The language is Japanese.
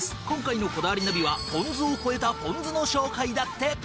今回の『こだわりナビ』はポン酢を超えたポン酢の紹介だって！